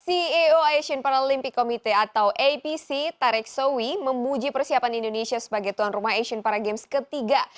ceo asian paralympic committee atau apc tarek sowi memuji persiapan indonesia sebagai tuan rumah asian paragames ketiga